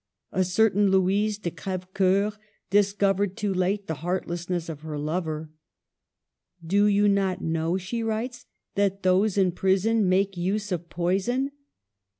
A certain Louise de Crevecceur dis covered too late the heartlessness of her lover. / Do you not know," she writes, *' that those in prison make use of poison?